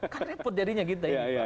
kan repot jadinya kita